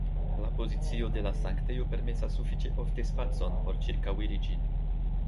La pozicio de la sanktejo permesas sufiĉe ofte spacon por ĉirkauiri ĝin.